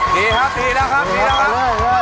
ดีครับดีดีแล้วครับ